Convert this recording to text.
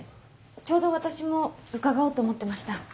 ちょうど私も伺おうと思ってました。